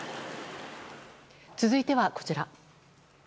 続いてはこちら。